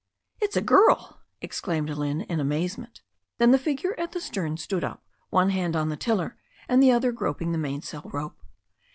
"It's a girl!" exclaimed Lynne, in amazement. Then the figure at the stern stood up, one hand on the tiller, and the other gripping the mainsail rope.